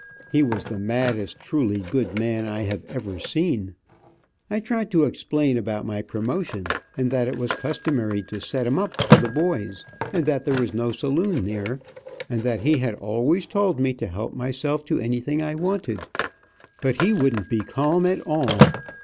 He was the maddest truly good man I have ever seen. I tried to explain about my promotion, and that it was customary to set em up for the boys, and that there was no saloon near, and that he had always told me to help myself to anything I wanted; but he wouldn't be calm at all.